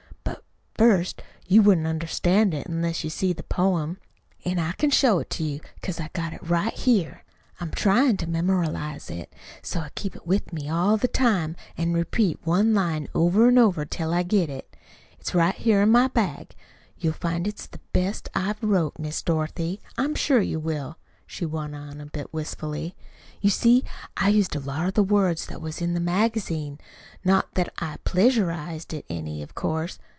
But first you wouldn't understand it, unless you see the poem. An' I can show it to you, 'cause I've got it right here. I'm tryin' to memorialize it, so I keep it with me all the time, an' repeat one line over an' over till I get it. It's right here in my bag. You'll find it's the best I've wrote, Miss Dorothy; I'm sure you will," she went on a bit wistfully. "You see I used a lot of the words that was in the magazine not that I pleasurized it any, of course.